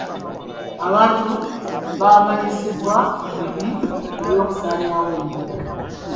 Abantu baamanyisibwa ku bibi by'okusaanyaawo ebibira.